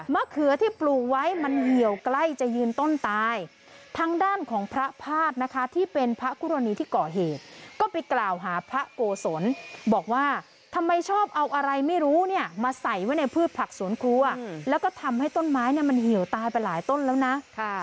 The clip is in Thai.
เขือที่ปลูกไว้มันเหี่ยวใกล้จะยืนต้นตายทางด้านของพระภาษณ์นะคะที่เป็นพระคู่รณีที่ก่อเหตุก็ไปกล่าวหาพระโกศลบอกว่าทำไมชอบเอาอะไรไม่รู้เนี่ยมาใส่ไว้ในพืชผักสวนครัวแล้วก็ทำให้ต้นไม้เนี่ยมันเหี่ยวตายไปหลายต้นแล้วนะ